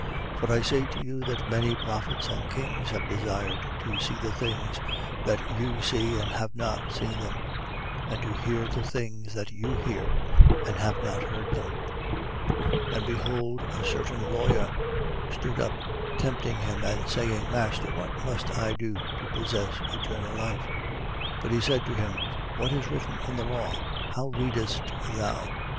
10:24. For I say to you that many prophets and kings have desired to see the things that you see and have not seen them; and to hear the things that you hear and have not heard them. 10:25. And behold a certain lawyer stood up, tempting him and saying, Master, what must I do to possess eternal life? 10:26. But he said to him: What is written in the law? How readest thou?